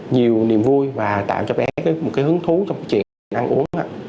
nhiều niềm vui và tạo cho bé một cái hứng thú trong chuyện ăn uống